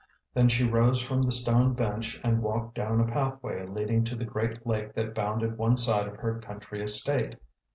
Then she rose from the stone bench and walked down a pathway lead ing to the great lake that bounded one side of her country estate.